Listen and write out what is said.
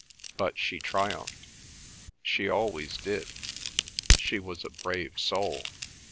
But she triumphed. She always did. She was a brave soul."